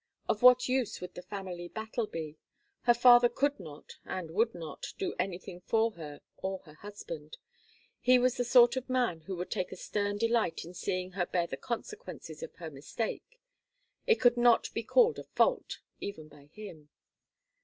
Of what use would the family battle be? Her father could not, and would not, do anything for her or her husband. He was the sort of man who would take a stern delight in seeing her bear the consequences of her mistake it could not be called a fault, even by him.